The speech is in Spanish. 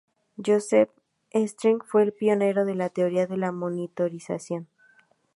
Joseph E. Stiglitz fue el pionero de la teoría de la monitorización.